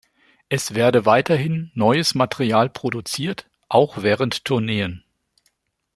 Es werde weiterhin neues Material produziert, auch während Tourneen.